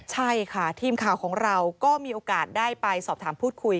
ใช่ค่ะทีมข่าวของเราก็มีโอกาสได้ไปสอบถามพูดคุย